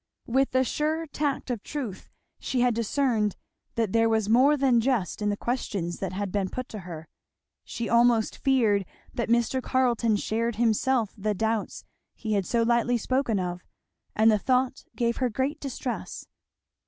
With the sure tact of truth she had discerned that there was more than jest in the questions that had been put to her. She almost feared that Mr. Carleton shared himself the doubts he had so lightly spoken of, and the thought gave her great distress.